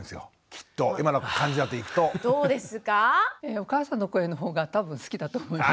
お母さんの声のほうが多分好きだと思います。